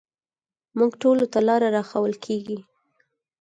موږ ټولو ته لاره راښوول کېږي.